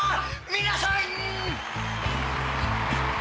皆さんー！